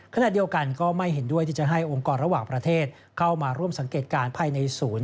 ขณะเดียวกันก็ไม่เห็นด้วยที่จะให้องค์กรระหว่างประเทศเข้ามาร่วมสังเกตการณ์ภายในศูนย์